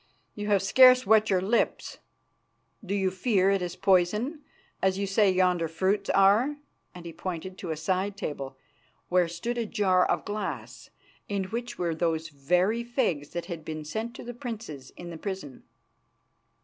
You have scarce wet your lips. Do you fear that it is poisoned, as you say yonder fruits are?" And he pointed to a side table, where stood a jar of glass in which were those very figs that had been sent to the princes in the prison.